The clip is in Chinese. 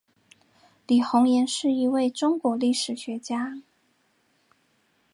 李洪岩是一位中国历史学家。